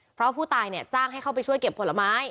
เพราะผู้ตายจ้างให้เข้าไปช่วยเก็บผลไม้